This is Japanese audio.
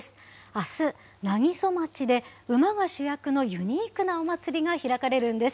あす、南木曽町で、馬が主役のユニークなお祭りが開かれるんです。